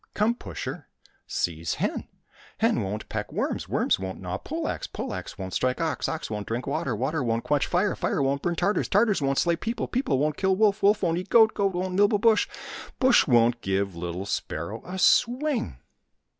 124 THE SPARROW AND THE BUSjH peck worms, worms won't gnaw pole axe, pole axe won't strike ox, ox won't drink water, water won't quench fire, fire won't burn Tartars, Tartars won't slay people, people won't kill wolf, wolf won't eat goat, goat won't nibble bush, bush won't give little sparrow a swing."